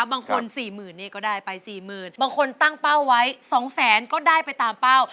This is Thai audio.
บางคนตั้งเป้าไว้๒๐๐๐๐๐ก็ได้ไปตามเป้า